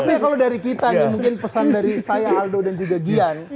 tapi kalau dari kita nih mungkin pesan dari saya aldo dan juga gian